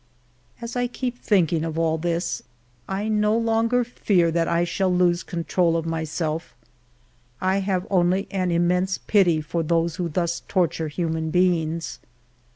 As I keep thinking of all this, I no longer fear that I shall lose control of myself, I have only an immense pity for those who thus torture human beings.